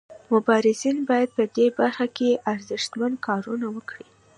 مبارزین باید په دې برخه کې ارزښتمن کارونه وکړي.